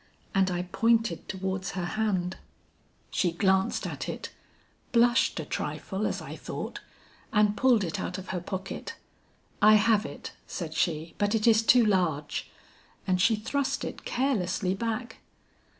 And I pointed towards her hand. "She glanced at it, blushed a trifle as I thought, and pulled it out of her pocket. 'I have it,' said she, 'but it is too large,' and she thrust it carelessly back.